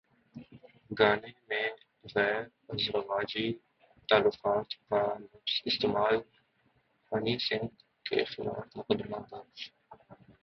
گانے میں غیر ازدواجی تعلقات کا لفظ استعمال ہنی سنگھ کے خلاف مقدمہ درج